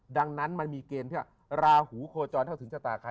ดังนั้นมันมีเกณฑ์ที่ลาหูโคจรเท่าถึงชะตากาย